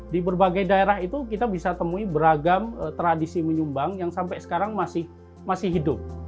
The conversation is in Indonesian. di berbagai daerah itu kita bisa temui beragam tradisi menyumbang yang sampai sekarang masih hidup